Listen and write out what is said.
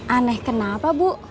aneh kenapa bu